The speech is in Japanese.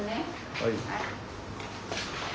はい。